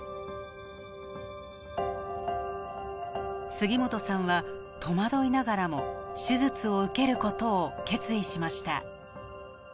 杉本さんは戸惑いながらも手術を受けることを決意しました。